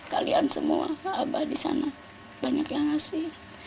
kalian semua abah di sana banyak yang kasih